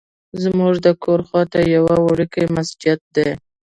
زمونږ د کور خواته یو وړوکی مسجد دی.